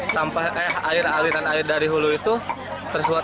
sampah air aliran air dari hulu itu tersebut